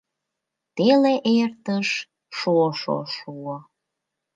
Теле эртыш, шошо шуо.